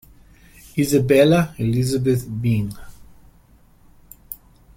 Isabella Elizabeth Byng.